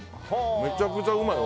めちゃくちゃうまい。